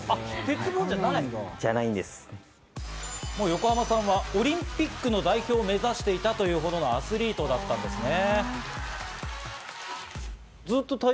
横浜さんはオリンピックの代表を目指していたというほどのアスリートだったんですね。